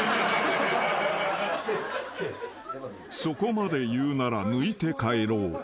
［そこまで言うなら抜いて帰ろう］